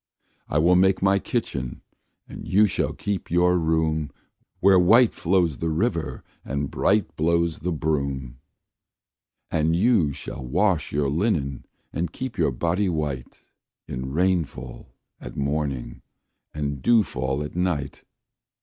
I will make my kitchen, and you shall keep your room, Where white flows the river and bright blows the broom, And you shall wash your linen and keep your body whiteIn rainfall at morning and dewfall at night.